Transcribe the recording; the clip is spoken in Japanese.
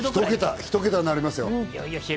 １桁になりますよ。